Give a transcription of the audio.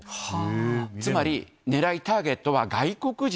つまり、ねらい、ターゲットは外国人。